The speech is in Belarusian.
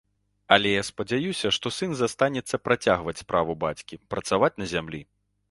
Але я спадзяюся, што сын застанецца працягваць справу бацькі, працаваць на зямлі.